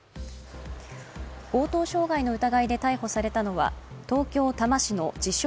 強盗傷害の疑いで逮捕されたのは東京・多摩市の自称